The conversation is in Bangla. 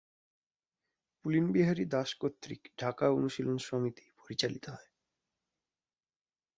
পুলিনবিহারী দাস কর্তৃক ঢাকা অনুশীলন সমিতি পরিচালিত হয়।